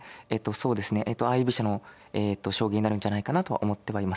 相居飛車の将棋になるんじゃないかなとは思ってはいます。